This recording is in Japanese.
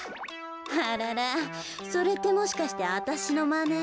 あららそれってもしかしてわたしのまね？